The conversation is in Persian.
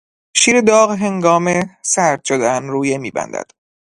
شیر داغ هنگام سرد شدن رویه میبندد.